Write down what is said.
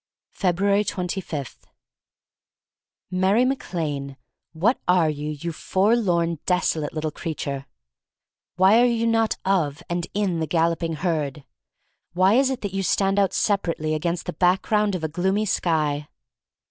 s> jfebruars 25. MARY MAC LANE — what are you, you forlorn, desolate little creature? Why are you not of and in the galloping herd? Why is it that you stand out separate against the background of a gloomy sky?